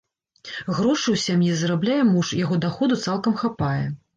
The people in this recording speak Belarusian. Грошы ў сям'і зарабляе муж, яго даходу цалкам хапае.